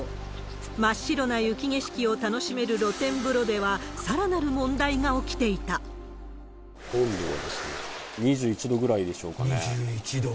真っ白な雪景色を楽しめる露天風呂では、さらなる問題が起きてい温度はですね、２１度ぐらい２１度。